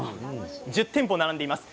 １０店舗、並んでいます。